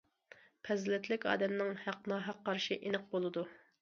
پەزىلەتلىك ئادەمنىڭ ھەق- ناھەق قارىشى ئېنىق بولىدۇ.